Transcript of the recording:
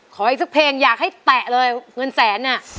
อีกสักเพลงอยากให้แตะเลยเงินแสนน่ะ